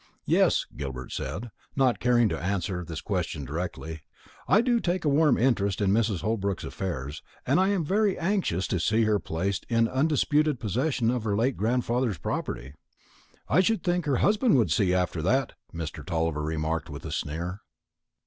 "Yes," Gilbert said, not caring to answer this question directly, "I do take a warm interest in Mrs. Holbrook's affairs, and I am very anxious to see her placed in undisputed possession of her late grandfather's property." "I should think her husband would see after that," Mr. Tulliver remarked with a sneer.